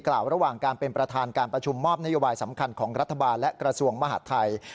กล่าวระหว่างการเป็นประธานการประชุมมอบนโยบายสำคัญของรัฐบาลและกระทรวงมหาดไทย